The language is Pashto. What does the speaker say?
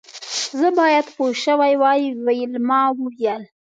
زه باید پوه شوې وای ویلما وویل